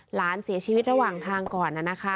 หลานเสียชีวิตระหว่างทางก่อนนะคะ